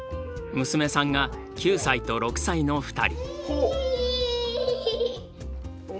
娘さんが９歳と６歳の２人。